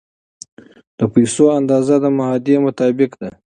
د پیسو اندازه د معاهدې مطابق ده.